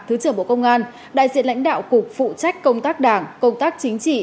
thứ trưởng bộ công an đại diện lãnh đạo cục phụ trách công tác đảng công tác chính trị